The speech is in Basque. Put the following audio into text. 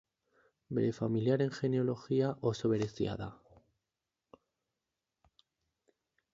Bere familiaren genealogia oso berezia da.